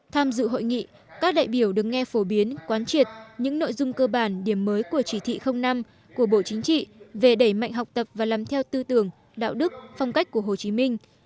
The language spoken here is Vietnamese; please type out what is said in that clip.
tham dự hội nghị các đại biểu được nghe phổ biến quán triệt những nội dung cơ bản điểm mới của chỉ thị năm của bộ chính trị về đẩy mạnh học tập và làm theo tư tưởng đạo đức phong cách của hồ chí minh